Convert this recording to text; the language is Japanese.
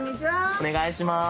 お願いします。